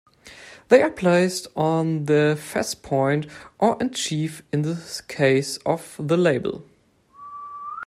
They are placed on the fess-point, or in-chief in the case of the label.